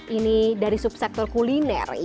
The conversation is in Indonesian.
ini dari subsektor kuliner